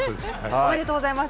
ありがとうございます。